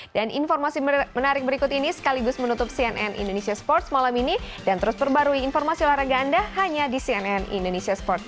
dan informasi menarik berikut ini sekaligus menutup cnn indonesia sports malam ini dan terus perbarui informasi olahraga anda hanya di cnn indonesia sports